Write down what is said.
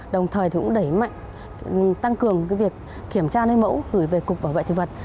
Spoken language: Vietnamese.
đồng thời thì cũng đẩy mạnh tăng cường việc kiểm tra mẫu gửi về cục bảo vệ thực vật